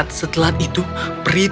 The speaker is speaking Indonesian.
dan sesaat itu jorindel tidak bisa berbicara